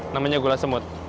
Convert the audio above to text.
namanya gula semut